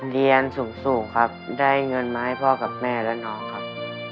เรียนสูงครับได้เงินมาให้พ่อกับแม่และน้องครับ